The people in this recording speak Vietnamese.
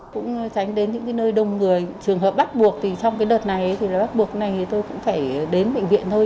cũng tránh đến những nơi đông người trường hợp bắt buộc thì trong cái đợt này thì bắt buộc này thì tôi cũng phải đến bệnh viện thôi